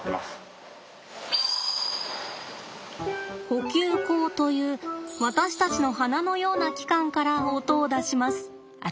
呼吸孔という私たちの鼻のような器官から音を出します。